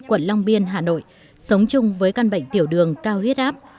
quận long biên hà nội sống chung với căn bệnh tiểu đường cao huyết áp